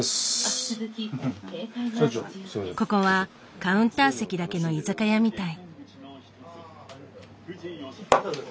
ここはカウンター席だけの居酒屋みたい。